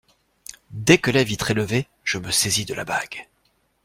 Dès que la vitre est levée, je me saisis de la bague.